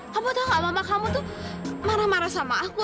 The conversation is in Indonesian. kamu tau gak mama kamu tuh marah marah sama aku